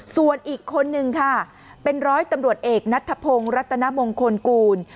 ส่วนอีกคนนึงค่ะเป็นร้อยตำรวจเอกนัทธพงศ์รัตนมงคลกูล